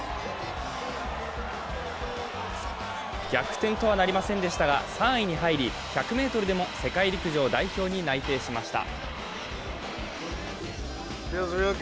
逆転とはなりませんでしたが、３位に入り１００ｍでも世界陸上代表に内定しました。